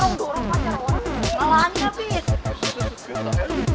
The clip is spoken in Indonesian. orang orang pacar orang malah anjab is